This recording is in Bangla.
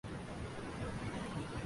এটি খুব বিখ্যাত মন্দির।